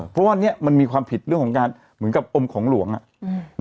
เพราะว่าเนี่ยมันมีความผิดเรื่องของการเหมือนกับอมของหลวง